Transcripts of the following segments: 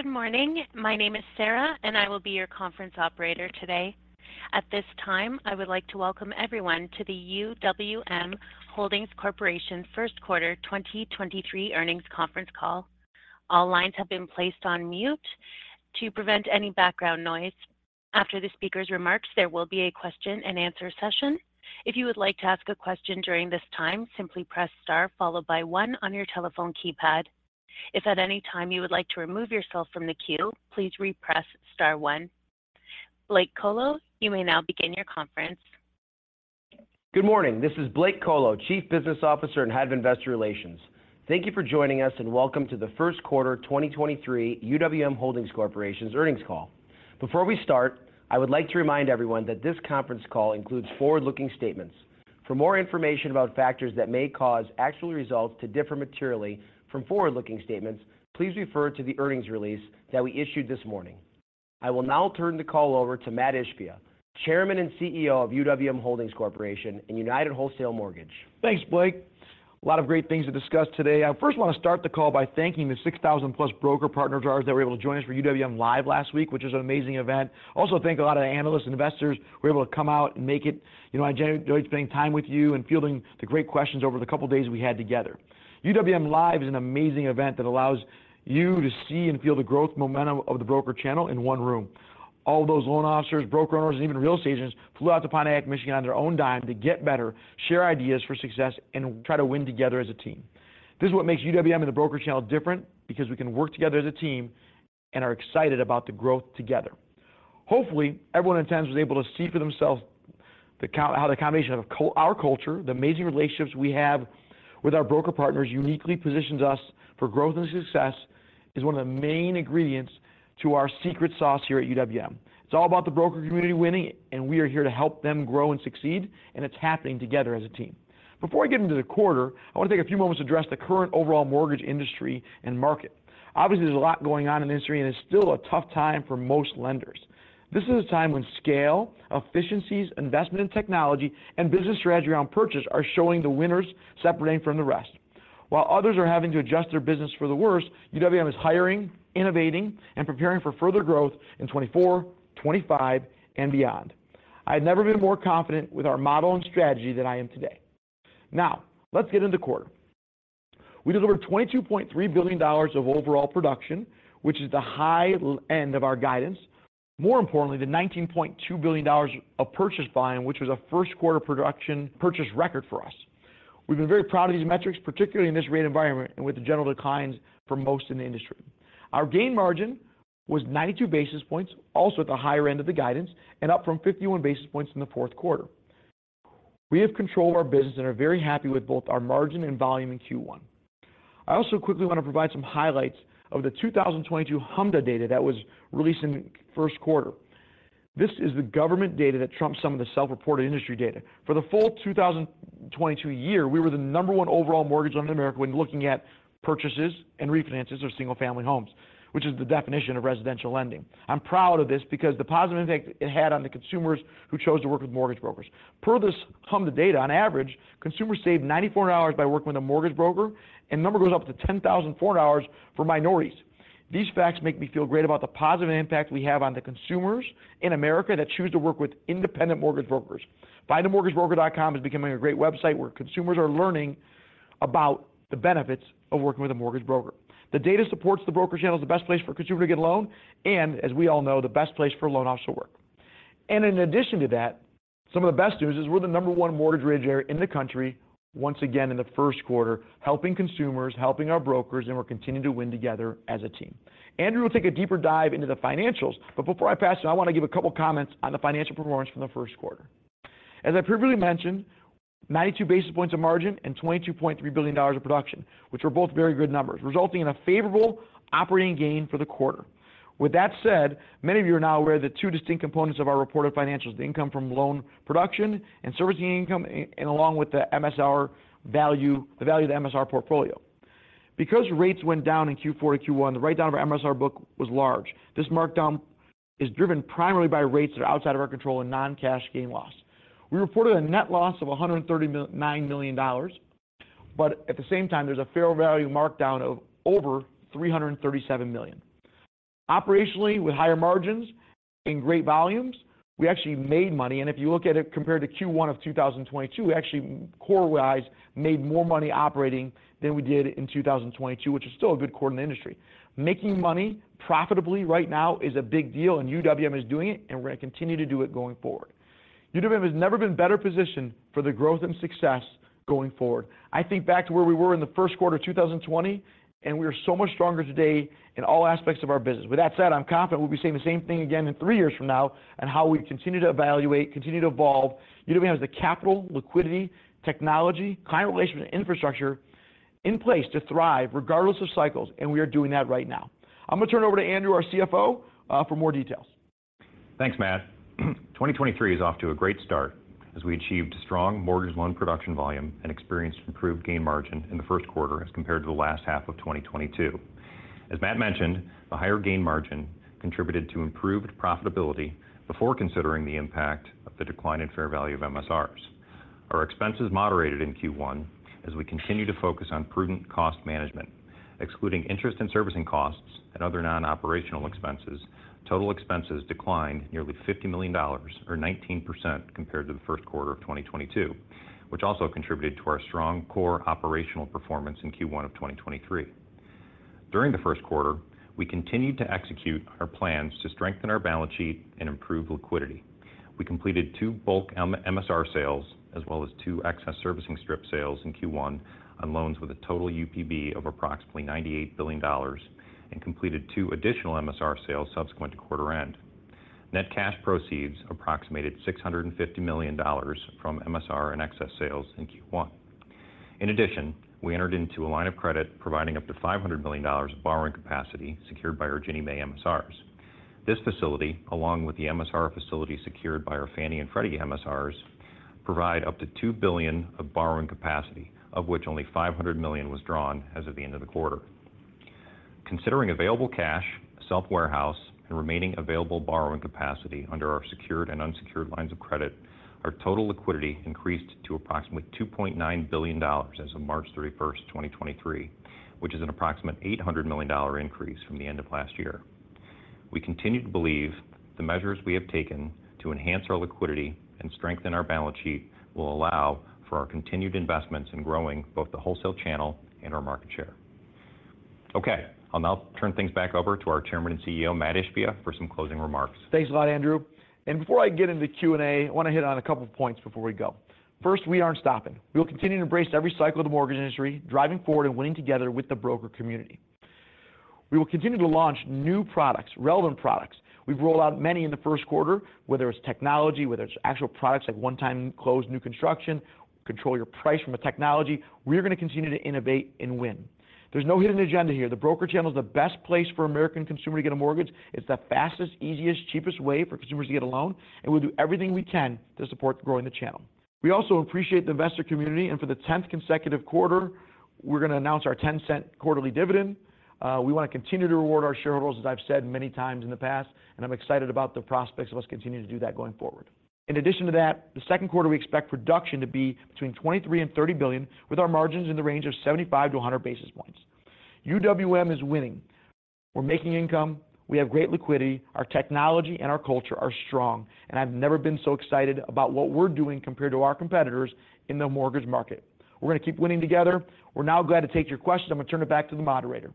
Good morning. My name is Sarah, and I will be your conference operator today. At this time, I would like to welcome everyone to the UWM Holdings Corporation first quarter 2023 earnings conference call. All lines have been placed on mute to prevent any background noise. After the speaker's remarks, there will be a question and answer session. If you would like to ask a question during this time, simply press star followed by one on your telephone keypad. If at any time you would like to remove yourself from the queue, please re-press star one. Blake Kolo, you may now begin your conference. Good morning. This is Blake Kolo, Chief Business Officer and Head of Investor Relations. Thank you for joining us. Welcome to the first quarter 2023 UWM Holdings Corporation's earnings call. Before we start, I would like to remind everyone that this conference call includes forward-looking statements. For more information about factors that may cause actual results to differ materially from forward-looking statements, please refer to the earnings release that we issued this morning. I will now turn the call over to Mat Ishbia, Chairman and CEO of UWM Holdings Corporation and United Wholesale Mortgage. Thanks, Blake. A lot of great things to discuss today. I first wanna start the call by thanking the 6,000+ broker partners of ours that were able to join us for UWM LIVE! last week, which is an amazing event. Also, thank a lot of the analysts, investors who were able to come out and make it. You know, I generally enjoy spending time with you and fielding the great questions over the couple of days we had together. UWM LIVE! is an amazing event that allows you to see and feel the growth momentum of the broker channel in one room. All of those loan officers, broker owners, and even real estate agents flew out to Pontiac, Michigan on their own dime to get better, share ideas for success, and try to win together as a team. This is what makes UWM and the broker channel different, we can work together as a team and are excited about the growth together. Hopefully, everyone attends was able to see for themselves how the combination of our culture, the amazing relationships we have with our broker partners uniquely positions us for growth and success is one of the main ingredients to our secret sauce here at UWM. It's all about the broker community winning, we are here to help them grow and succeed, it's happening together as a team. Before I get into the quarter, I want to take a few moments to address the current overall mortgage industry and market. Obviously, there's a lot going on in the industry, it's still a tough time for most lenders. This is a time when scale, efficiencies, investment in technology, and business strategy around purchase are showing the winners separating from the rest. While others are having to adjust their business for the worse, UWM is hiring, innovating, and preparing for further growth in 2024, 2025 and beyond. I've never been more confident with our model and strategy than I am today. Let's get into quarter. We delivered $22.3 billion of overall production, which is the high end of our guidance. The $19.2 billion of purchase volume, which was a first quarter production purchase record for us. We've been very proud of these metrics, particularly in this rate environment and with the general declines for most in the industry. Our gain margin was 92 basis points, also at the higher end of the guidance, up from 51 basis points in the fourth quarter. We have control of our business and are very happy with both our margin and volume in Q1. I also quickly want to provide some highlights of the 2022 HMDA data that was released in first quarter. This is the government data that trumps some of the self-reported industry data. For the full 2022 year, we were the number one overall mortgage loan in America when looking at purchases and refinances of single-family homes, which is the definition of residential lending. I'm proud of this because the positive impact it had on the consumers who chose to work with mortgage brokers. Per this HMDA data, on average, consumers save $94 by working with a mortgage broker, and number goes up to $10,004 for minorities. These facts make me feel great about the positive impact we have on the consumers in America that choose to work with independent mortgage brokers. FindAMortgageBroker.com is becoming a great website where consumers are learning about the benefits of working with a mortgage broker. The data supports the broker channel is the best place for a consumer to get a loan, and as we all know, the best place for a loan officer to work. In addition to that, some of the best news is we're the number one mortgage originator in the country once again in the first quarter, helping consumers, helping our brokers, and we're continuing to win together as a team. Andrew will take a deeper dive into the financials. Before I pass it on, I want to give a couple of comments on the financial performance from the first quarter. As I previously mentioned, 92 basis points of margin and $22.3 billion of production, which were both very good numbers, resulting in a favorable operating gain for the quarter. With that said, many of you are now aware of the two distinct components of our reported financials, the income from loan production and servicing income, and along with the MSR value, the value of the MSR portfolio. Rates went down in Q4 to Q1, the write-down of our MSR book was large. This markdown is driven primarily by rates that are outside of our control and non-cash gain loss. We reported a net loss of $139 million. At the same time, there's a fair value markdown of over $337 million. Operationally, with higher margins and great volumes, we actually made money. If you look at it compared to Q1 of 2022, we actually core-wise made more money operating than we did in 2022, which is still a good quarter in the industry. Making money profitably right now is a big deal. UWM is doing it, and we're gonna continue to do it going forward. UWM has never been better positioned for the growth and success going forward. I think back to where we were in the first quarter of 2020. We are so much stronger today in all aspects of our business. With that said, I'm confident we'll be saying the same thing again in 3 years from now on how we continue to evaluate, continue to evolve. UWM has the capital, liquidity, technology, client relationship, and infrastructure in place to thrive regardless of cycles, and we are doing that right now. I'm gonna turn it over to Andrew, our CFO, for more details. Thanks, Mat. 2023 is off to a great start as we achieved strong mortgage loan production volume and experienced improved gain margin in the first quarter as compared to the last half of 2022. As Mat mentioned, the higher gain margin contributed to improved profitability before considering the impact of the decline in fair value of MSRs. Our expenses moderated in Q1 as we continue to focus on prudent cost management. Excluding interest and servicing costs and other non-operational expenses, total expenses declined nearly $50 million, or 19% compared to the first quarter of 2022, which also contributed to our strong core operational performance in Q1 of 2023. During the first quarter, we continued to execute our plans to strengthen our balance sheet and improve liquidity. We completed two bulk MSR sales as well as two excess servicing strip sales in Q1 on loans with a total UPB of approximately $98 billion and completed two additional MSR sales subsequent to quarter end. Net cash proceeds approximated $650 million from MSR and excess sales in Q1. In addition, we entered into a line of credit providing up to $500 million of borrowing capacity secured by our Ginnie Mae MSRs. This facility, along with the MSR facility secured by our Fannie and Freddie MSRs, provide up to $2 billion of borrowing capacity, of which only $500 million was drawn as of the end of the quarter. Considering available cash, self-warehouse, and remaining available borrowing capacity under our secured and unsecured lines of credit, our total liquidity increased to approximately $2.9 billion as of March 31, 2023, which is an approximate $800 million increase from the end of last year. We continue to believe the measures we have taken to enhance our liquidity and strengthen our balance sheet will allow for our continued investments in growing both the wholesale channel and our market share. Okay. I'll now turn things back over to our Chairman and CEO, Mat Ishbia, for some closing remarks. Thanks a lot, Andrew. Before I get into the Q&A, I want to hit on a couple of points before we go. First, we aren't stopping. We will continue to embrace every cycle of the mortgage industry, driving forward and winning together with the broker community. We will continue to launch new products, relevant products. We've rolled out many in the first quarter, whether it's technology, whether it's actual products like One-Time Close New Construction, Control Your Price from a technology. We are going to continue to innovate and win. There's no hidden agenda here. The broker channel is the best place for American consumer to get a mortgage. It's the fastest, easiest, cheapest way for consumers to get a loan, and we'll do everything we can to support growing the channel. We also appreciate the investor community, for the 10th consecutive quarter, we're going to announce our $0.10 quarterly dividend. We want to continue to reward our shareholders, as I've said many times in the past, and I'm excited about the prospects of us continuing to do that going forward. In addition to that, the second quarter, we expect production to be between $23 billion and $30 billion, with our margins in the range of 75 to 100 basis points. UWM is winning. We're making income. We have great liquidity. Our technology and our culture are strong, and I've never been so excited about what we're doing compared to our competitors in the mortgage market. We're going to keep winning together. We're now glad to take your questions. I'm going to turn it back to the moderator.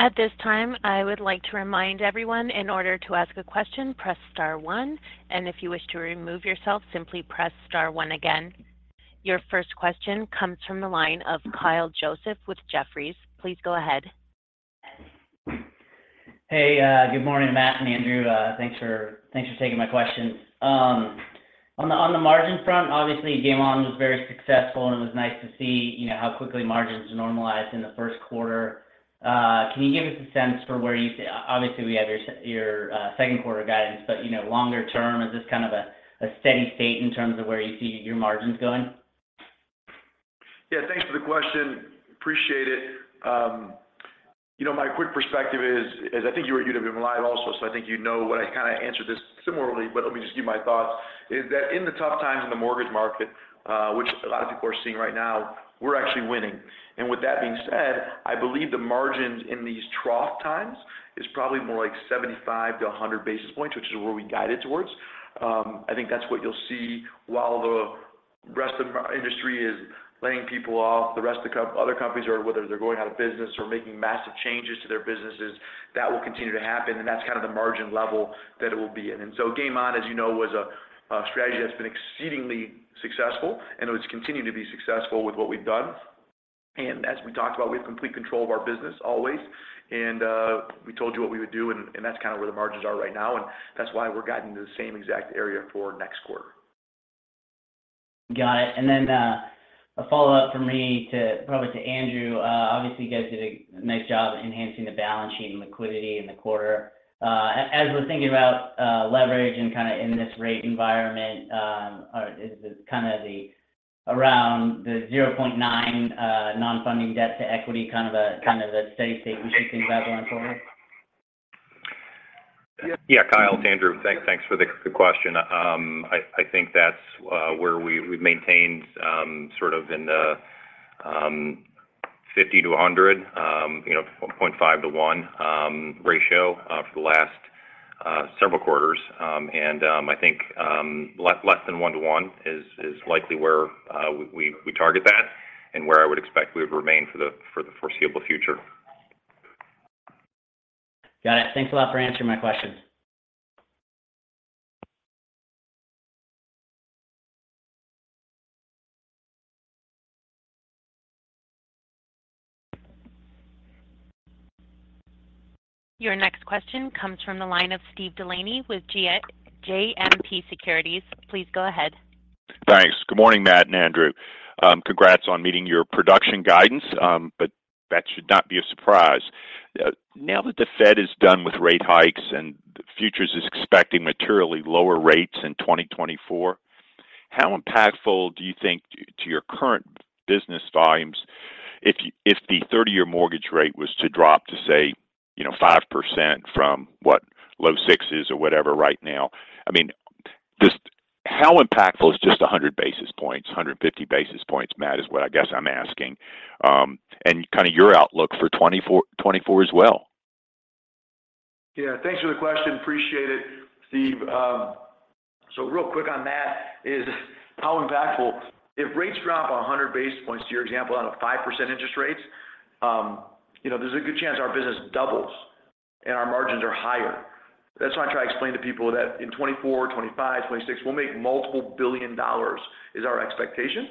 At this time, I would like to remind everyone in order to ask a question, press star 1. If you wish to remove yourself, simply press star 1 again. Your first question comes from the line of Kyle Joseph with Jefferies. Please go ahead. Good morning, Mat and Andrew. Thanks for taking my questions. On the margin front, obviously, Game On was very successful. It was nice to see, you know, how quickly margins normalized in the first quarter. Can you give us a sense for where you see, obviously we have your second quarter guidance, but, you know, longer term, is this kind of a steady state in terms of where you see your margins going? Yeah, thanks for the question. Appreciate it. You know, my quick perspective is I think you were at UWM LIVE! also, so I think you know when I kind of answered this similarly, but let me just give you my thoughts, is that in the tough times in the mortgage market, which a lot of people are seeing right now, we're actually winning. With that being said, I believe the margins in these trough times is probably more like 75-100 basis points, which is where we guide it towards. I think that's what you'll see while the rest of our industry is laying people off, the rest of the other companies are, whether they're going out of business or making massive changes to their businesses, that will continue to happen. That's kind of the margin level that it will be in. Game On, as you know, was a strategy that's been exceedingly successful, and it's continued to be successful with what we've done. As we talked about, we have complete control of our business always. We told you what we would do, that's kind of where the margins are right now. That's why we're guiding the same exact area for next quarter. Got it. A follow-up from me to Andrew. Obviously, you guys did a nice job enhancing the balance sheet and liquidity in the quarter. As we're thinking about leverage and kind of in this rate environment, or is this kind of the around the 0.9 non-funding debt-to-equity kind of a steady state we should think about going forward? Yeah, Kyle, it's Andrew. Thank-thanks for the question. I think that's where we've maintained sort of in the 50 to 100, you know, 0.5 to 1 ratio for the last several quarters. I think less than 1 to 1 is likely where we target that and where I would expect we would remain for the foreseeable future. Got it. Thanks a lot for answering my question. Your next question comes from the line of Steve Delaney with JMP Securities. Please go ahead. Thanks. Good morning, Mat and Andrew. Congrats on meeting your production guidance. That should not be a surprise. Now that the Fed is done with rate hikes and futures is expecting materially lower rates in 2024. How impactful do you think to your current business volumes if if the 30-year mortgage rate was to drop to say, you know, 5% from what low 6s or whatever right now? I mean, just how impactful is just 100 basis points, 150 basis points, Mat, is what I guess I'm asking. Kind of your outlook for 2024 as well. Yeah. Thanks for the question. Appreciate it, Steve. real quick on that is how impactful. If rates drop 100 basis points, to your example, out of 5% interest rates, you know, there's a good chance our business doubles, and our margins are higher. That's why I try to explain to people that in 2024, 2025, 2026, we'll make multiple billion dollars, is our expectation.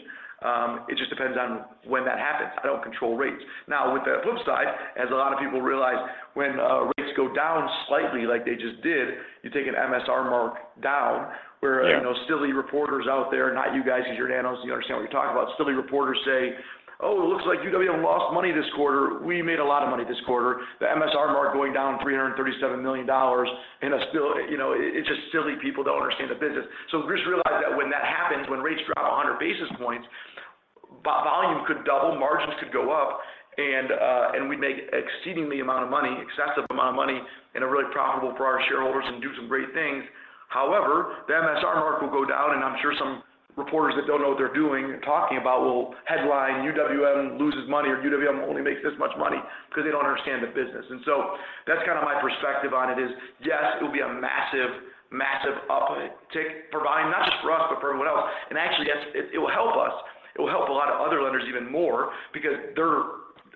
it just depends on when that happens. I don't control rates. with the flip side, as a lot of people realize, when, rates go down slightly like they just did, you take an MSR mark down where- Yeah... you know, silly reporters out there, not you guys as you're an analyst, you understand what you're talking about. Silly reporters say, "Oh, it looks like UWM lost money this quarter." We made a lot of money this quarter. The MSR mark going down $337 million. You know, it's just silly. People don't understand the business. Just realize that when that happens, when rates drop 100 basis points, volume could double, margins could go up, and we make exceedingly amount of money, excessive amount of money in a really profitable for our shareholders and do some great things. However, the MSR mark will go down, and I'm sure some reporters that don't know what they're doing talking about will headline UWM loses money or UWM only makes this much money because they don't understand the business. That's kind of my perspective on it, is yes, it will be a massive uptick for volume, not just for us, but for everyone else. Actually, yes, it will help us. It will help a lot of other lenders even more because they're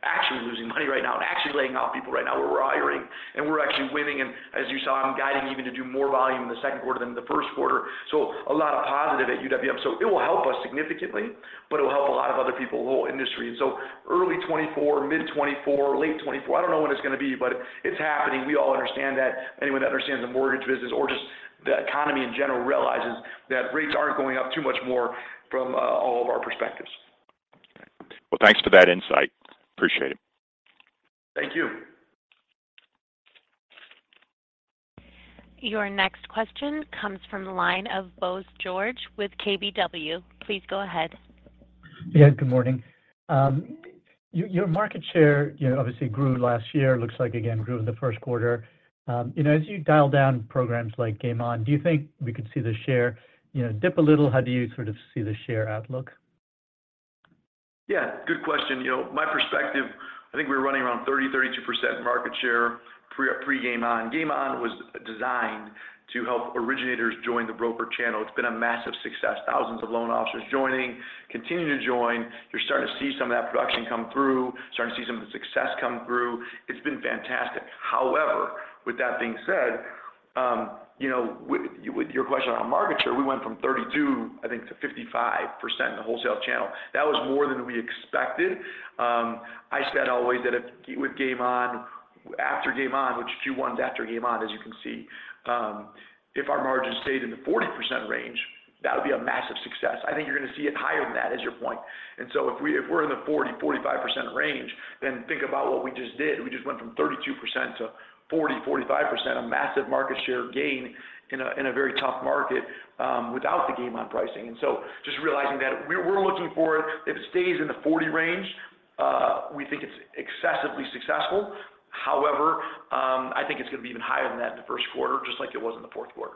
actually losing money right now and actually laying off people right now. We're hiring, and we're actually winning. As you saw, I'm guiding even to do more volume in the second quarter than the first quarter. A lot of positive at UWM. It will help us significantly, but it will help a lot of other people, the whole industry. Early 2024, mid 2024, late 2024, I don't know when it's going to be, but it's happening. We all understand that. Anyone that understands the mortgage business or just the economy in general realizes that rates aren't going up too much more from all of our perspectives. Well, thanks for that insight. Appreciate it. Thank you. Your next question comes from the line of Bose George with KBW. Please go ahead. Yeah. Good morning. Your market share, you know, obviously grew last year. Looks like, again, grew in the first quarter. You know, as you dial down programs like Game On, do you think we could see the share, you know, dip a little? How do you sort of see the share outlook? Yeah, good question. You know, my perspective, I think we're running around 30, 32% market share pre Game On. Game On was designed to help originators join the broker channel. It's been a massive success. Thousands of loan officers joining, continuing to join. You're starting to see some of that production come through, starting to see some of the success come through. It's been fantastic. However, with that being said, you know, with your question on market share, we went from 32, I think, to 55% in the wholesale channel. That was more than we expected. I said always that if with Game On, after Game On, which Q1 is after Game On, as you can see, if our margins stayed in the 40% range, that would be a massive success. I think you're going to see it higher than that is your point. If we're in the 40%-45% range, then think about what we just did. We just went from 32% to 40%-45%, a massive market share gain in a, in a very tough market, without the Game On pricing. Just realizing that we're looking for it. If it stays in the 40% range, we think it's excessively successful. However, I think it's going to be even higher than that in the first quarter, just like it was in the fourth quarter.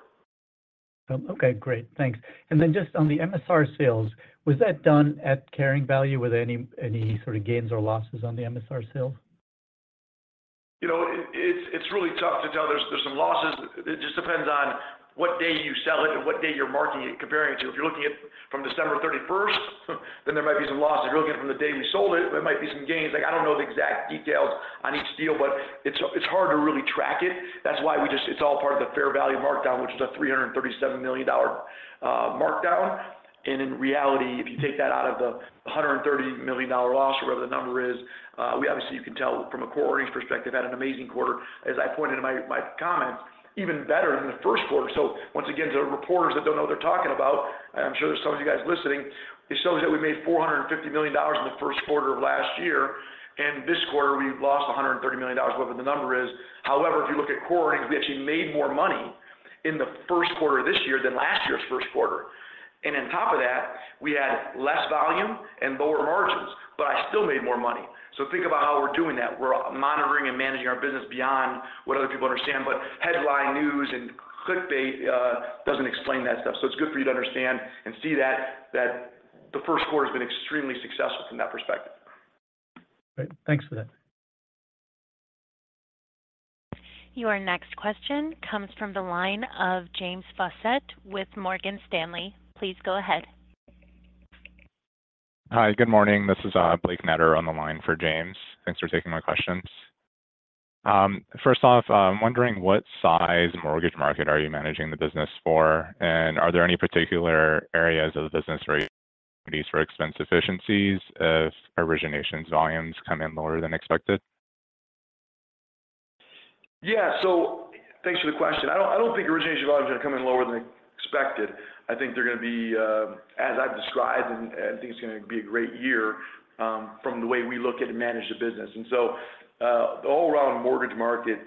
Okay. Great. Thanks. Then just on the MSR sales, was that done at carrying value? Were there any sort of gains or losses on the MSR sale? You know, it's really tough to tell. There's some losses. It just depends on what day you sell it and what day you're marking it and comparing it to. If you're looking at from December thirty-first, then there might be some losses. If you're looking from the day we sold it, there might be some gains. Like, I don't know the exact details on each deal, but it's hard to really track it. That's why it's all part of the fair value markdown, which is a $337 million markdown. In reality, if you take that out of the $130 million loss or whatever the number is, we obviously, you can tell from a core earnings perspective, had an amazing quarter. As I pointed in my comments, even better than the first quarter. Once again, to the reporters that don't know what they're talking about, and I'm sure there's some of you guys listening. It shows that we made $450 million in the first quarter of last year, and this quarter we lost $130 million, whatever the number is. However, if you look at core earnings, we actually made more money in the first quarter this year than last year's first quarter. On top of that, we had less volume and lower margins, but I still made more money. Think about how we're doing that. We're monitoring and managing our business beyond what other people understand. Headline news and clickbait doesn't explain that stuff. It's good for you to understand and see that the first quarter has been extremely successful from that perspective. Great. Thanks for that. Your next question comes from the line of James Faucette with Morgan Stanley. Please go ahead. Hi. Good morning. This is Blake Netter on the line for James. Thanks for taking my questions. First off, I'm wondering what size mortgage market are you managing the business for? Are there any particular areas of the business where you see opportunities for expense efficiencies if originations volumes come in lower than expected? Yeah. Thanks for the question. I don't think origination volumes are coming in lower than expected. I think they're gonna be, as I've described, and I think it's gonna be a great year, from the way we look at and manage the business. The all around mortgage market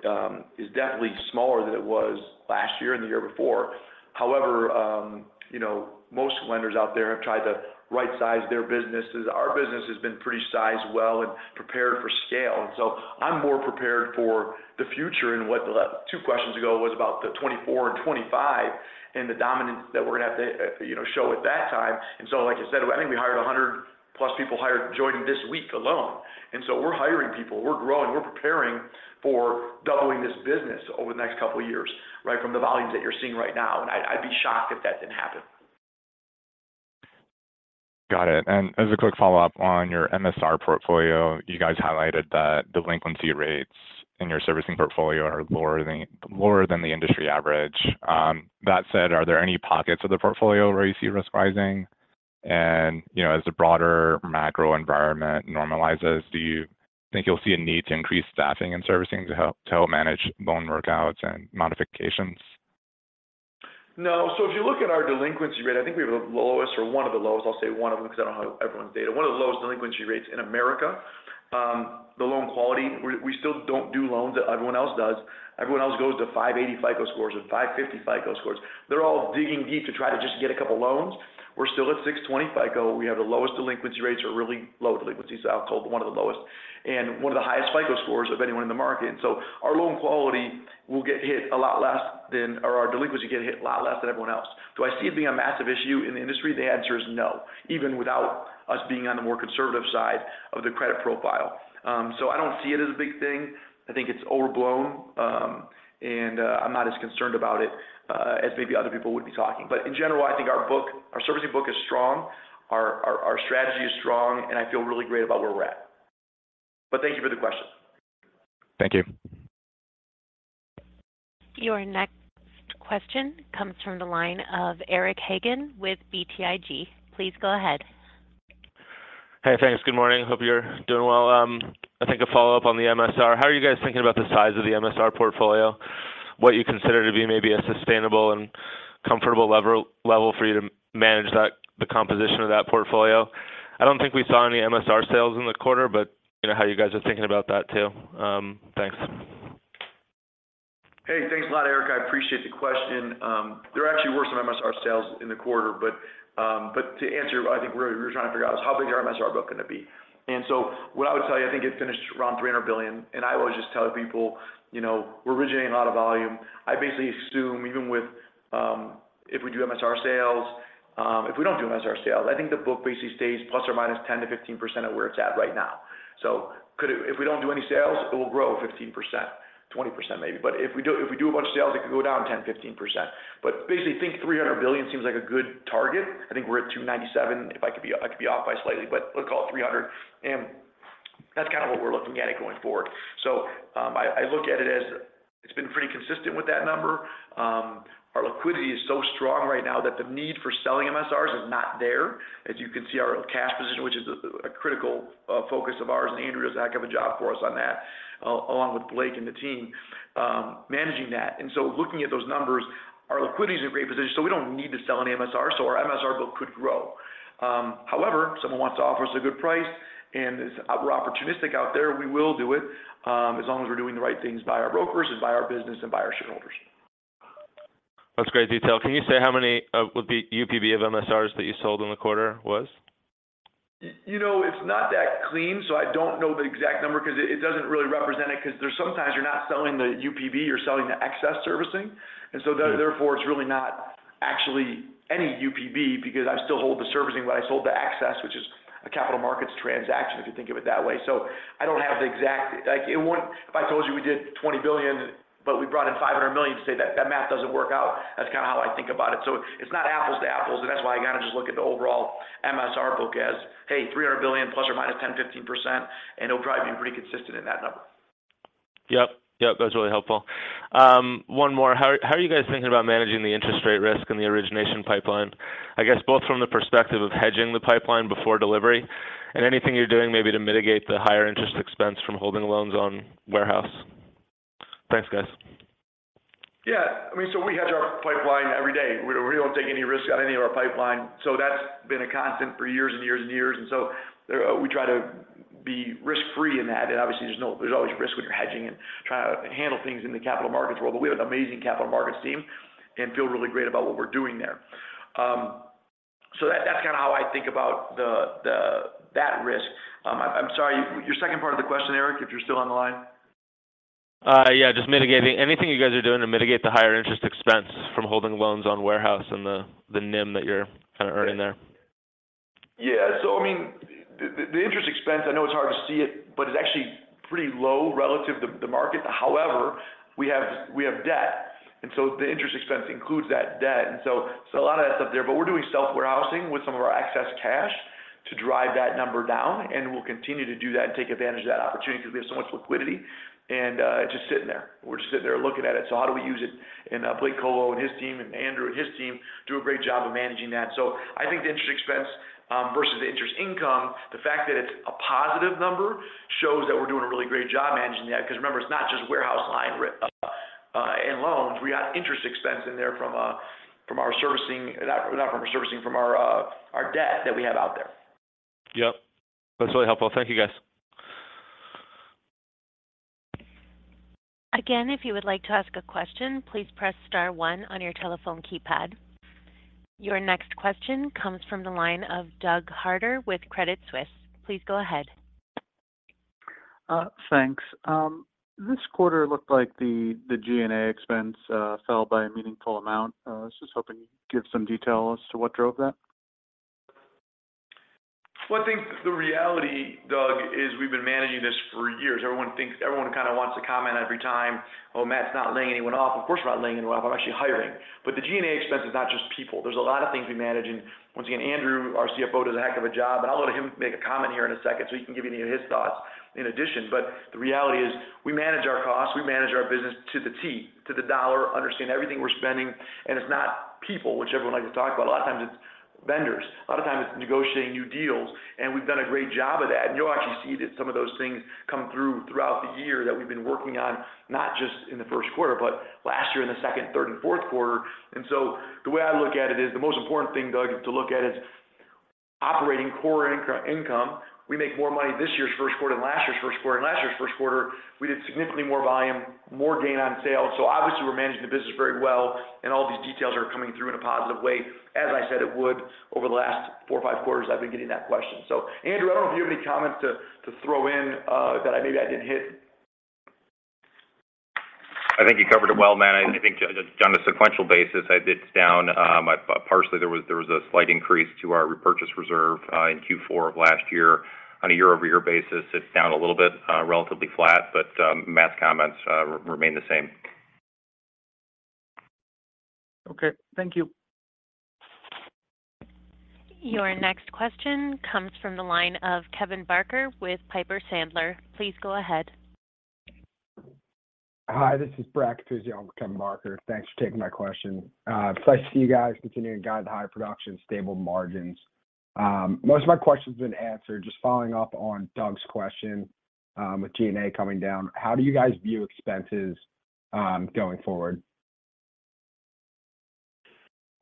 is definitely smaller than it was last year and the year before. However, you know, most lenders out there have tried to right size their businesses. Our business has been pretty sized well and prepared for scale. I'm more prepared for the future. What the two questions ago was about the 2024 and 2025 and the dominance that we're gonna have to, you know, show at that time. Like I said, I think we hired 100+ people hired joining this week alone. We're hiring people, we're growing, we're preparing for doubling this business over the next couple of years, right from the volumes that you're seeing right now. I'd be shocked if that didn't happen. Got it. As a quick follow-up on your MSR portfolio, you guys highlighted that delinquency rates in your servicing portfolio are lower than the industry average. That said, are there any pockets of the portfolio where you see risk rising? You know, as the broader macro environment normalizes, do you think you'll see a need to increase staffing and servicing to help manage loan workouts and modifications? No. If you look at our delinquency rate, I think we have the lowest or one of the lowest, I'll say one of 'em, 'cause I don't have everyone's data. One of the lowest delinquency rates in America. The loan quality. We still don't do loans that everyone else does. Everyone else goes to 580 FICO scores or 550 FICO scores. They're all digging deep to try to just get a couple loans. We're still at 620 FICO. We have the lowest delinquency rates or really low delinquency. I'll call it one of the lowest. One of the highest FICO scores of anyone in the market. Our loan quality will get hit a lot less than or our delinquency get hit a lot less than everyone else. Do I see it being a massive issue in the industry? The answer is no. Even without us being on the more conservative side of the credit profile. I don't see it as a big thing. I think it's overblown. I'm not as concerned about it as maybe other people would be talking. In general, I think our book, our servicing book is strong. Our strategy is strong, and I feel really great about where we're at. Thank you for the question. Thank you. Your next question comes from the line of Eric Hagen with BTIG. Please go ahead. Hey, thanks. Good morning. Hope you're doing well. I think a follow-up on the MSR. How are you guys thinking about the size of the MSR portfolio, what you consider to be maybe a sustainable and comfortable level for you to manage that, the composition of that portfolio? I don't think we saw any MSR sales in the quarter, but you know how you guys are thinking about that too. Thanks. Hey, thanks a lot, Eric. I appreciate the question. There actually were some MSR sales in the quarter, but to answer, I think we're trying to figure out is how big our MSR book gonna be. What I would tell you, I think it finished around $300 billion, and I always just tell people, you know, we're originating a lot of volume. I basically assume even with if we do MSR sales, if we don't do MSR sales, I think the book basically stays plus or minus 10%-15% of where it's at right now. Could it if we don't do any sales, it will grow 15%, 20% maybe. If we do a bunch of sales, it could go down 10%, 15%. Basically think $300 billion seems like a good target. I think we're at $297. If I could be, I could be off by slightly, but let's call it $300. That's kind of what we're looking at it going forward. I look at it as it's been pretty consistent with that number. Our liquidity is so strong right now that the need for selling MSRs is not there. As you can see, our cash position, which is a critical focus of ours, and Andrew does a heck of a job for us on that, along with Blake and the team, managing that. Looking at those numbers, our liquidity is in a great position, so we don't need to sell any MSR. Our MSR book could grow. However, if someone wants to offer us a good price, and as we're opportunistic out there, we will do it, as long as we're doing the right things by our brokers and by our business and by our shareholders. That's great detail. Can you say how many would be UPB of MSRs that you sold in the quarter was? You know, it's not that clean, so I don't know the exact number 'cause it doesn't really represent it. 'Cause there's sometimes you're not selling the UPB, you're selling the excess servicing. Sure therefore, it's really not actually any UPB because I still hold the servicing, but I sold the excess, which is a capital markets transaction, if you think of it that way. I don't have the exact. Like, it wouldn't if I told you we did $20 billion, but we brought in $500 million to say that math doesn't work out. That's kind of how I think about it. It's not apples to apples, and that's why I gotta just look at the overall MSR book as, hey, $300 billion plus or minus 10%, 15%, and it'll drive me pretty consistent in that number. Yep. Yep. That's really helpful. One more. How are you guys thinking about managing the interest rate risk in the origination pipeline? I guess both from the perspective of hedging the pipeline before delivery and anything you're doing maybe to mitigate the higher interest expense from holding loans on warehouse. Thanks, guys. Yeah, I mean, we hedge our pipeline every day. We don't take any risk on any of our pipeline. That's been a constant for years and years and years. There, we try to be risk-free in that. Obviously there's always risk when you're hedging and trying to handle things in the capital markets world. We have an amazing capital markets team and feel really great about what we're doing there. That, that's kind of how I think about the that risk. I'm sorry, your second part of the question, Eric, if you're still on the line? Just mitigating. Anything you guys are doing to mitigate the higher interest expense from holding loans on warehouse and the NIM that you're kind of earning there? Yeah. I mean, the interest expense, I know it's hard to see it, but it's actually pretty low relative to the market. However, we have debt, the interest expense includes that debt. A lot of that's up there. We're doing self-warehousing with some of our excess cash to drive that number down. We'll continue to do that and take advantage of that opportunity because we have so much liquidity and it's just sitting there. We're just sitting there looking at it. How do we use it? Blake Kolo and his team and Andrew and his team do a great job of managing that. I think the interest expense versus interest income, the fact that it's a positive number shows that we're doing a really great job managing that. Remember, it's not just warehouse line in loans, we got interest expense in there from not from our servicing, from our debt that we have out there. Yep. That's really helpful. Thank you, guys. Again, if you would like to ask a question, please press star one on your telephone keypad. Your next question comes from the line of Doug Harter with Credit Suisse. Please go ahead. Thanks. This quarter looked like the G&A expense fell by a meaningful amount. I was just hoping you'd give some detail as to what drove that. Well, I think the reality, Doug, is we've been managing this for years. Everyone kind of wants to comment every time, "Oh, Mat's not laying anyone off." Of course, we're not laying anyone off. We're actually hiring. The G&A expense is not just people. There's a lot of things we manage. Once again, Andrew, our CFO, does a heck of a job. I'll let him make a comment here in a second, so he can give you his thoughts in addition. The reality is, we manage our costs, we manage our business to the T, to the dollar, understand everything we're spending. It's not people, which everyone likes to talk about. A lot of times it's vendors. A lot of times it's negotiating new deals. We've done a great job of that. You'll actually see that some of those things come through throughout the year that we've been working on, not just in the first quarter, but last year in the second, third, and fourth quarter. The way I look at it is, the most important thing, Doug, to look at is operating core income. We make more money this year's first quarter than last year's first quarter. In last year's first quarter, we did significantly more volume, more gain on sales. Obviously we're managing the business very well, and all these details are coming through in a positive way, as I said it would over the last four or five quarters I've been getting that question. Andrew, I don't know if you have any comments to throw in that I maybe I didn't hit. I think you covered it well, Mat. I think just on a sequential basis, it's down, partially there was a slight increase to our repurchase reserve in Q4 of last year. On a year-over-year basis, it's down a little bit, relatively flat, but Mat's comments remain the same. Okay. Thank you. Your next question comes from the line of Kevin Barker with Piper Sandler. Please go ahead. Hi, this is Brad Katusian with Kevin Barker. Thanks for taking my question. It's nice to see you guys continuing to guide the high production, stable margins. Most of my questions have been answered. Just following up on Doug's question, with G&A coming down, how do you guys view expenses going forward?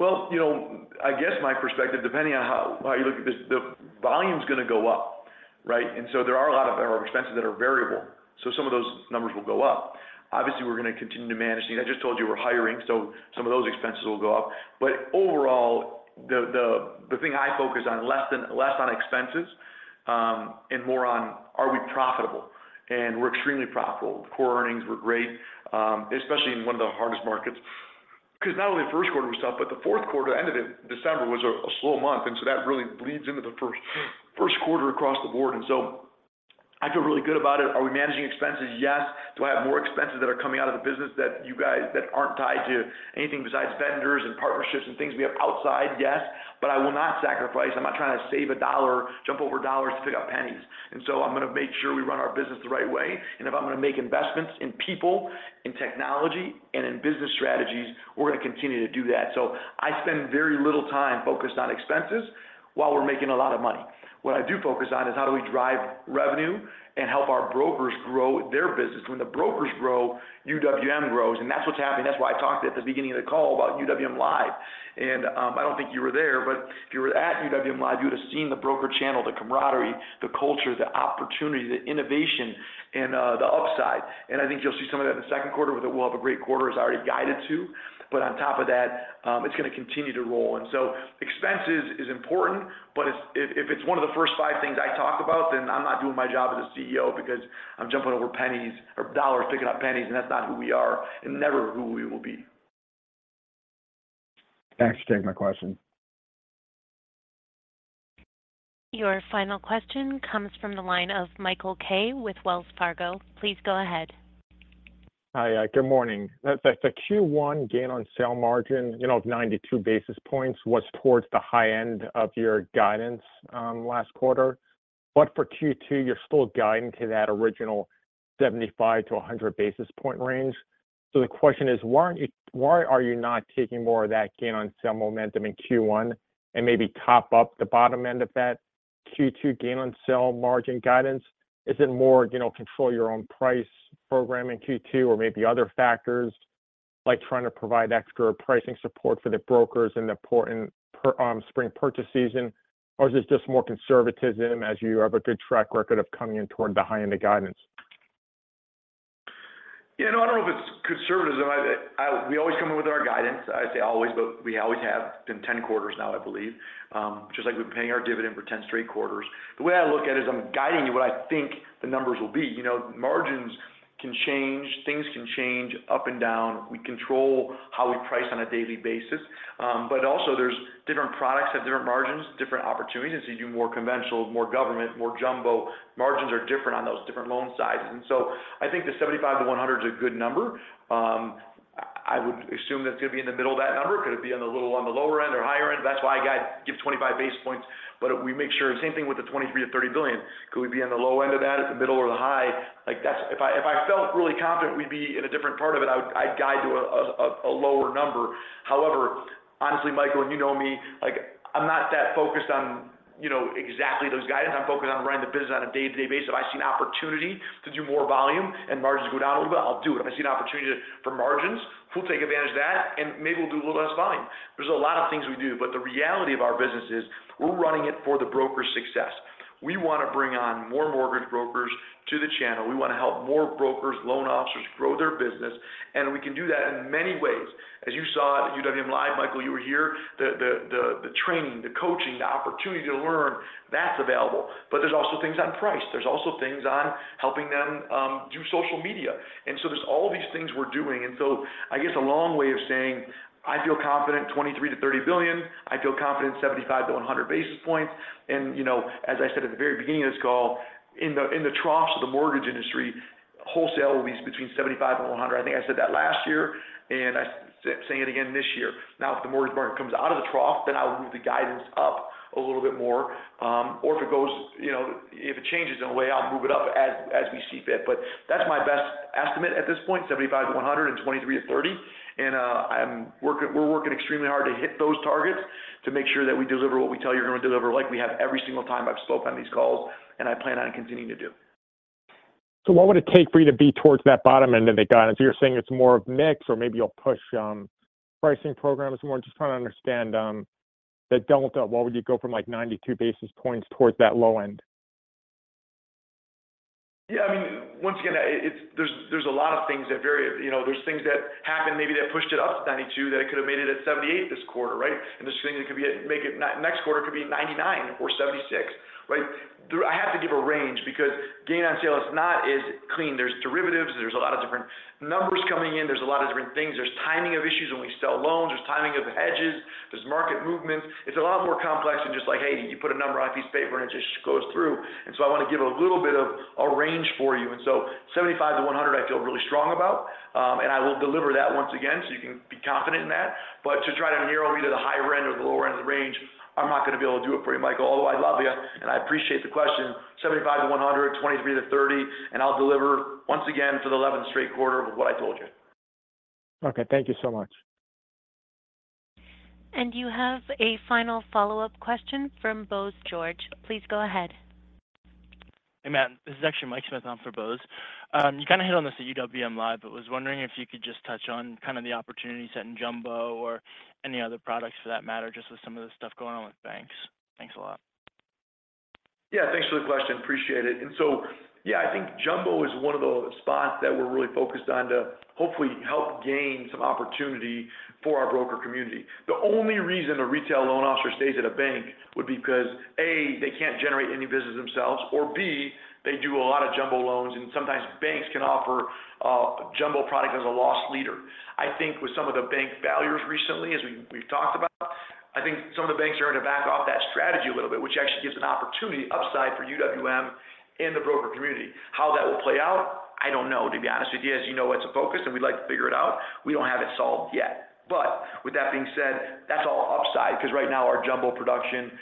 Well, you know, I guess my perspective, depending on how you look at this, the volume's gonna go up, right? There are a lot of our expenses that are variable, so some of those numbers will go up. Obviously, we're gonna continue to manage. I just told you we're hiring, so some of those expenses will go up. Overall, the thing I focus on less on expenses and more on are we profitable? We're extremely profitable. Core earnings were great, especially in one of the hardest markets. Because not only the first quarter was tough, but the fourth quarter ended in December was a slow month, and so that really bleeds into the first quarter across the board. I feel really good about it. Are we managing expenses? Yes. Do I have more expenses that are coming out of the business that you guys... that aren't tied to anything besides vendors and partnerships and things we have outside? Yes. I will not sacrifice. I'm not trying to save $1, jump over dollars to pick up pennies. I'm gonna make sure we run our business the right way. If I'm gonna make investments in people, in technology, and in business strategies, we're gonna continue to do that. I spend very little time focused on expenses while we're making a lot of money. What I do focus on is how do we drive revenue and help our brokers grow their business. When the brokers grow, UWM grows, and that's what's happening. That's why I talked at the beginning of the call about UWM LIVE! I don't think you were there, but if you were at UWM LIVE!, you would have seen the broker channel, the camaraderie, the culture, the opportunity, the innovation and the upside. I think you'll see some of that in the second quarter with it. We'll have a great quarter as I already guided to, but on top of that, it's gonna continue to roll. Expenses is important, but if it's one of the first five things I talk about, then I'm not doing my job as a CEO because I'm jumping over pennies or dollars picking up pennies, and that's not who we are and never who we will be. Thanks for taking my question. Your final question comes from the line of Michael K. with Wells Fargo. Please go ahead. Hi. Good morning. The Q1 gain on sale margin, you know, of 92 basis points was towards the high end of your guidance last quarter. For Q2, you're still guiding to that original 75-100 basis point range. The question is, why are you not taking more of that gain on sale momentum in Q1 and maybe top up the bottom end of that Q2 gain on sale margin guidance? Is it more, you know, Control Your Price program in Q2 or maybe other factors, like trying to provide extra pricing support for the brokers in the important spring purchase season? Is this just more conservatism as you have a good track record of coming in toward the high end of guidance? You know, I don't know if it's conservatism. We always come in with our guidance. I say always, but we always have been 10 quarters now, I believe, just like we've been paying our dividend for 10 straight quarters. The way I look at it is I'm guiding you what I think the numbers will be. You know, margins can change, things can change up and down. We control how we price on a daily basis. Also there's different products have different margins, different opportunities as you do more conventional, more government, more Jumbo. Margins are different on those different loan sizes. I think the 75-100 is a good number. I would assume that it's gonna be in the middle of that number. Could it be on the lower end or higher end? That's why I guide, give 25 basis points. We make sure, same thing with the $23 billion-$30 billion. Could we be on the low end of that, at the middle or the high? Like, that's. If I felt really confident we'd be in a different part of it, I would, I'd guide a lower number. However, honestly, Michael, you know me, like, I'm not that focused on, you know, exactly those guys. I'm focused on running the business on a day-to-day basis. If I see an opportunity to do more volume and margins go down a little bit, I'll do it. If I see an opportunity for margins, we'll take advantage of that, and maybe we'll do a little less volume. There's a lot of things we do, but the reality of our business is we're running it for the broker's success. We wanna bring on more mortgage brokers to the channel. We wanna help more brokers, loan officers grow their business, and we can do that in many ways. As you saw at UWM LIVE!, Michael, you were here, the training, the coaching, the opportunity to learn, that's available. There's also things on price. There's also things on helping them do social media. There's all these things we're doing. I guess a long way of saying I feel confident $23 billion-$30 billion. I feel confident 75-100 basis points. You know, as I said at the very beginning of this call, in the troughs of the mortgage industry, wholesale will be between 75 and 100. I think I said that last year, and I say it again this year. If the mortgage market comes out of the trough, then I'll move the guidance up a little bit more, or if it changes in a way, I'll move it up as we see fit. That's my best estimate at this point, 75 to 100 and 23 to 30. We're working extremely hard to hit those targets to make sure that we deliver what we tell you we're gonna deliver, like we have every single time I've spoke on these calls, and I plan on continuing to do. What would it take for you to be towards that bottom end of the guidance? You're saying it's more of mix or maybe you'll push pricing programs more. Just trying to understand the delta. Why would you go from, like, 92 basis points towards that low end? Yeah. I mean, once again, there's a lot of things that vary. You know, there's things that happen maybe that pushed it up to 92% that it could have made it at 78% this quarter, right? There's things that could make it next quarter, it could be 99% or 76%, right? Though I have to give a range because gain on sale is not as clean. There's derivatives. There's a lot of different numbers coming in. There's a lot of different things. There's timing of issues when we sell loans. There's timing of hedges. There's market movements. It's a lot more complex than just like, hey, you put a number on a piece of paper, and it just goes through. I wanna give a little bit of a range for you. 75-100 I feel really strong about, and I will deliver that once again, so you can be confident in that. To try to narrow me to the higher end or the lower end of the range, I'm not gonna be able to do it for you, Michael. Although I love you, and I appreciate the question. 75-100, 23-30, and I'll deliver once again for the 11th straight quarter of what I told you. Okay. Thank you so much. You have a final follow-up question from Bose George. Please go ahead. Hey, Mat. This is actually Mike Smith on for Bose. You kinda hit on this at UWM LIVE!. I was wondering if you could just touch on kind of the opportunities that in Jumbo or any other products for that matter, just with some of the stuff going on with banks. Thanks a lot. Yeah. Thanks for the question. Appreciate it. Yeah, I think Jumbo is one of the spots that we're really focused on to hopefully help gain some opportunity for our broker community. The only reason a retail loan officer stays at a bank would be because, A, they can't generate any business themselves, or B, they do a lot of Jumbo loans, and sometimes banks can offer Jumbo product as a loss leader. I think with some of the bank failures recently, as we've talked about, I think some of the banks are gonna back off that strategy a little bit, which actually gives an opportunity upside for UWM and the broker community. How that will play out, I don't know, to be honest with you. As you know, it's a focus, and we'd like to figure it out. We don't have it solved yet. With that being said, that's all upside because right now our Jumbo production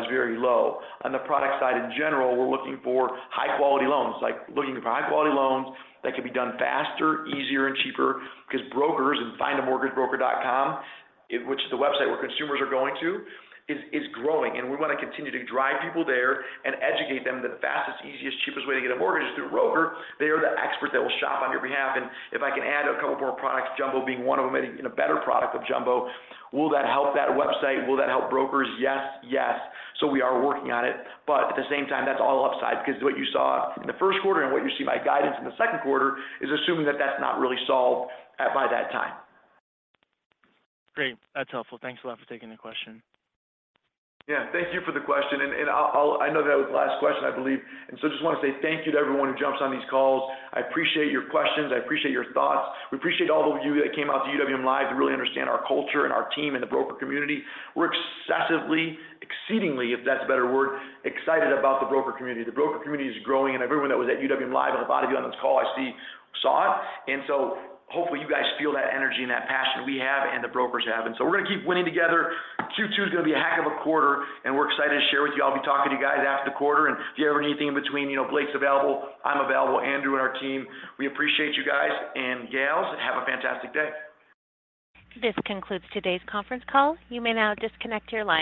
is very low. On the product side in general, we're looking for high-quality loans that can be done faster, easier, and cheaper because brokers in FindAMortgageBroker.com, which is the website where consumers are going to, is growing. We wanna continue to drive people there and educate them. The fastest, easiest, cheapest way to get a mortgage is through a broker. They are the expert that will shop on your behalf. If I can add a couple more products, Jumbo being one of them, and a better product of Jumbo, will that help that website? Will that help brokers? Yes, yes. We are working on it. At the same time, that's all upside because what you saw in the first quarter and what you see my guidance in the second quarter is assuming that that's not really solved by that time. Great. That's helpful. Thanks a lot for taking the question. Yeah. Thank you for the question. I know that was the last question, I believe. I just wanna say thank you to everyone who jumps on these calls. I appreciate your questions. I appreciate your thoughts. We appreciate all of you that came out to UWM LIVE! to really understand our culture and our team and the broker community. We're excessively, exceedingly, if that's a better word, excited about the broker community. The broker community is growing, and everyone that was at UWM LIVE!, and a lot of you on this call I see, saw it. Hopefully you guys feel that energy and that passion we have and the brokers have. We're gonna keep winning together. Q2 is gonna be a heck of a quarter, and we're excited to share with you. I'll be talking to you guys after the quarter. If you ever need anything in between, you know, Blake's available. I'm available. Andrew and our team. We appreciate you guys. Gals, have a fantastic day. This concludes today's conference call. You may now disconnect your line.